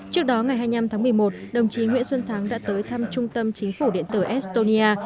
trước đó ngày hai mươi năm tháng một mươi một đồng chí nguyễn xuân thắng đã tới thăm trung tâm chính phủ điện tử estonia